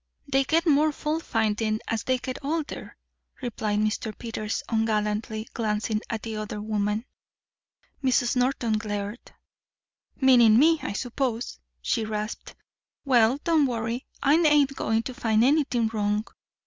"They get more faultfinding as they get older," replied Mr. Peters ungallantly, glancing at the other woman. Mrs. Norton glared. "Meaning me, I suppose," she rasped. "Well, don't worry. I ain't going to find anything wrong."